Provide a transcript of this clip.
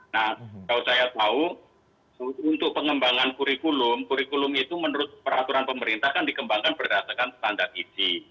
nah kalau saya tahu untuk pengembangan kurikulum kurikulum itu menurut peraturan pemerintah kan dikembangkan berdasarkan standar isi